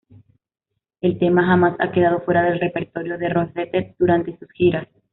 El tema jamás ha quedado fuera del repertorio de Roxette durante sus giras.